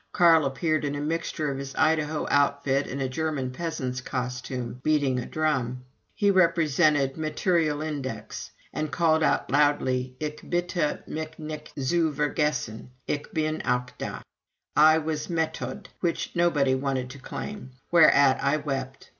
Carl appeared in a mixture of his Idaho outfit and a German peasant's costume, beating a large drum. He represented "Materialindex," and called out loudly, "Ich bitte mich nicht zu vergessen. Ich bin auch da." I was "Methode," which nobody wanted to claim; whereat I wept.